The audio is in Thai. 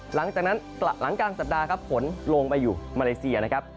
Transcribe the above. หลังจากนั้นหลังกลางสัปดาห์ครับฝนลงไปอยู่มาเลเซียนะครับ